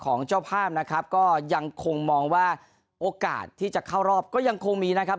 เจ้าภาพนะครับก็ยังคงมองว่าโอกาสที่จะเข้ารอบก็ยังคงมีนะครับ